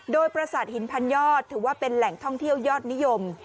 โดยประสาทหินพันยอดถือว่าเป็นแหล่งท่องเที่ยวยอดนิยม